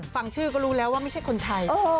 ฟังชื่อก็รู้แล้วว่าไม่ใช่คนไทย